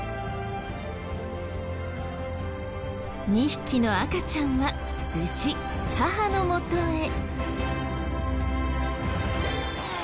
２匹の赤ちゃんは無事母のもとへ。